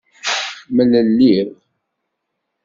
Mlelliɣ.